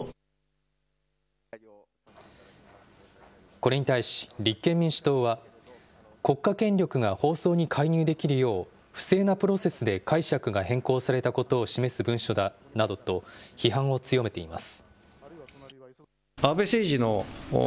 これに対し、立憲民主党は、国家権力が放送に介入できるよう、不正なプロセスで解釈が変更されたことを示す文書だなどと批判を強めています。